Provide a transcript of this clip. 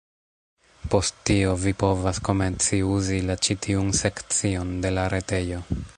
Post tio vi povas komenci uzi la ĉi tiun sekcion de la retejo.